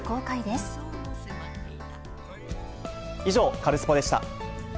以上、カルスポっ！でした。